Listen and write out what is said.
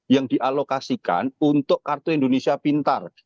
yang dialokasikan untuk kartu indonesia pintar